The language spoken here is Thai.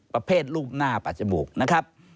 ประเภทรูปหน้าปัดจมูกนะครับ